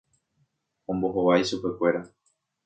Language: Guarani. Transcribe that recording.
Ombohovái chupekuéra.